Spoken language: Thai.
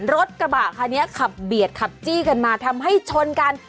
รถกระบะคันนี้ขับเบียดขับจี้กันมาทำให้ชนกัน